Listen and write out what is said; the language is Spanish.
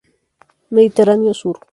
Mediterráneo Sur.